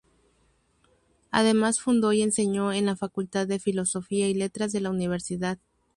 Además fundó y enseñó en la Facultad de Filosofía y Letras de la universidad.